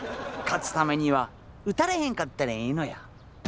勝つためには打たれへんかったらええのや。